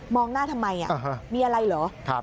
หน้าทำไมมีอะไรเหรอ